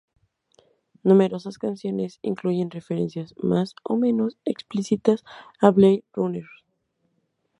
Numerosas canciones incluyen referencias más o menos explícitas a "Blade Runner".